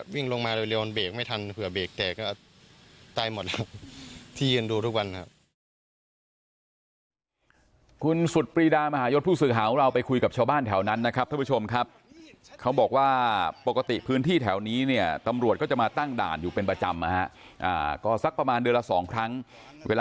วิ่งลงมาเร็วเบรกไม่ทันเผื่อเบรกแตกก็ตายหมดครับ